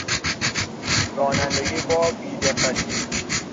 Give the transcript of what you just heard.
رانندگی با بیدقتی